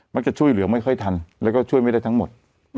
จะช่วยเหลือไม่ค่อยทันแล้วก็ช่วยไม่ได้ทั้งหมด